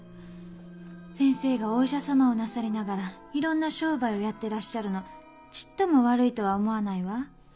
先生がお医者様をなさりながらいろんな商売やってらっしゃるのちっとも悪いとは思わないわ。